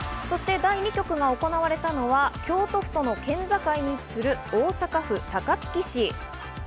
そして第２局が行われたのは京都府との県境に位置する大阪府高槻市。